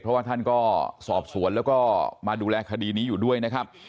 เพราะว่าท่านก็สอบสวนแล้วก็มาดูแลคดีนี้อยู่ด้วยนะครับ